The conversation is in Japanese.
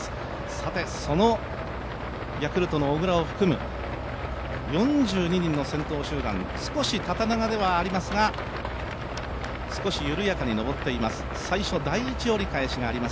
さてそのヤクルトの小椋を含む４２人の先頭集団、少し縦長ではありますが、少し緩やかに上っていっています。